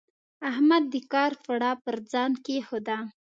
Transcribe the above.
احمد د کار پړه پر ځان کېښوده.